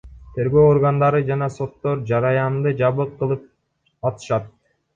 Тергөө органдары жана соттор жараянды жабык кылып атышат.